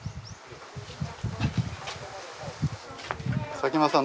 佐喜眞さん